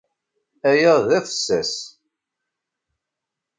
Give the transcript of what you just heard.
Aya d afessas.